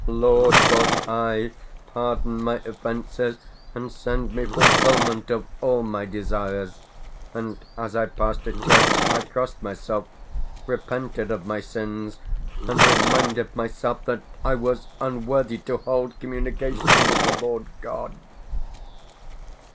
"Lord," thought I, "pardon my offences, and send me fulfilment of all my desires;" and as I passed a church I crossed myself, repented of my sins, and reminded myself that I was unworthy to hold communication with the Lord God.